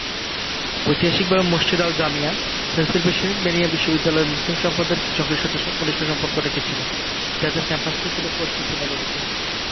ঐতিহাসিকভাবে মসজিদ আল জামিয়া পেনসিলভেনিয়া বিশ্ববিদ্যালয়ের মুসলিম সম্প্রদায়ের কিছু অংশের সাথে ঘনিষ্ঠ সম্পর্ক রেখেছিল, যাদের ক্যাম্পাসটি ছিলো পশ্চিম ফিলাডেলফিয়ায়।